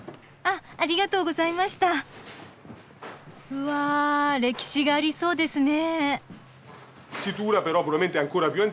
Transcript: うわ歴史がありそうですね。